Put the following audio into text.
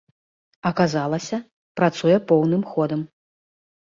Аказалася, працуе поўным ходам.